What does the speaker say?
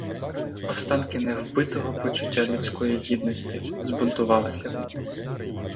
Останки не вбитого почуття людської гідності збунтувалися в ній.